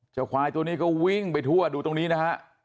ควายตัวนี้ก็วิ่งไปทั่วดูตรงนี้นะฮะ